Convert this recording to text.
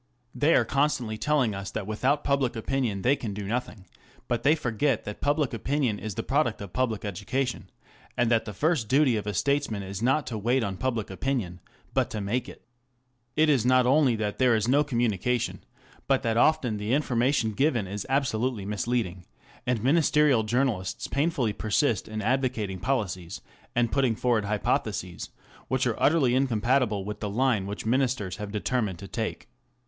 ^ They are constantly telling us that without public opinion they can do nothing ; but they forget that public opinion is the product of public education, and that the first duty of a statesman is not to ^wait on public opinion, but to make it It is not only that there is no communication, but that often the information given is absolutely misleading, and Ministerial journalists painfully persist in advocating policies and putting forward hypotheses which are utterly incompatible with the line which Ministers have determined to take.